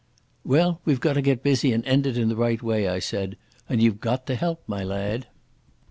"Well, we've got to get busy and end it in the right way," I said. "And you've got to help, my lad."